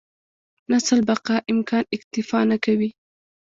نسل بقا امکان اکتفا نه کوي.